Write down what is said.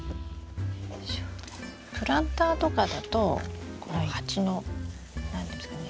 プランターとかだとこの鉢の何ていうんですかね